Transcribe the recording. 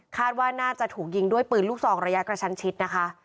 ว่าน่าจะถูกยิงด้วยปืนลูกซองระยะกระชั้นชิดนะคะ